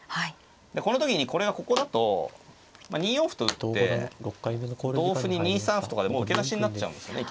でこの時にこれがここだと２四歩と打って同歩に２三歩とかでもう受けなしになっちゃうんですよね。